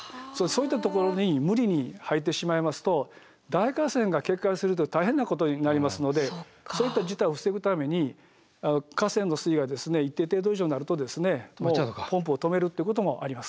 そういったところに無理にはいてしまいますと大河川が決壊をすると大変なことになりますのでそういった事態を防ぐために河川の水位が一定程度以上になるともうポンプを止めるってこともあります。